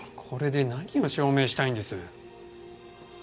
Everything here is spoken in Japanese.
これで何を証明したいんです？